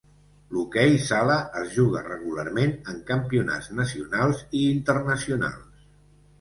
L'hoquei sala es juga regularment en campionats nacionals i internacionals.